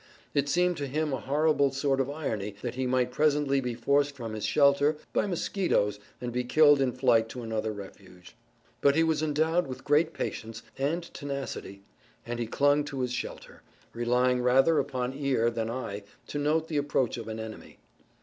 It seemed to him a horrible sort of irony that he might presently be forced from his shelter by mosquitoes and be killed in flight to another refuge. But he was endowed with great patience and tenacity and he clung to his shelter, relying rather upon ear than eye to note the approach of an enemy.